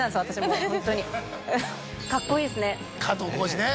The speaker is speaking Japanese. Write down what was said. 加藤浩次ね。